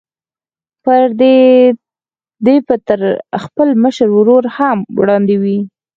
دی به تر خپل مشر ورور هم وړاندې وي.